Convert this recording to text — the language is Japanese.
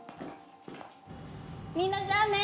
みんなじゃあね！